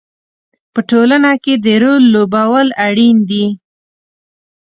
په ټولنه کې د رول لوبول اړین دي.